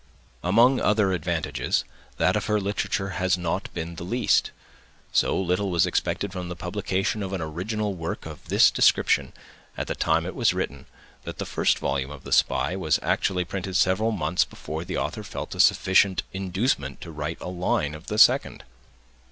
Among other advantages, that of her literature has not been the least. So little was expected from the publication of an original work of this description, at the time it was written, that the first volume of The Spy was actually printed several months, before the author felt a sufficient inducement to write a line of the second.